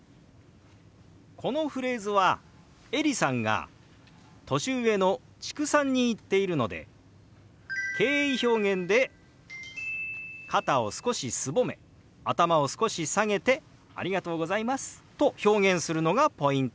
このフレーズはエリさんが年上の知久さんに言っているので敬意表現で肩を少しすぼめ頭を少し下げて「ありがとうございます」と表現するのがポイントです。